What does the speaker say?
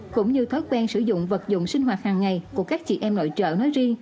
cũng như thói quen sử dụng vật dụng sinh hoạt hàng ngày của các chị em nội trợ nói riêng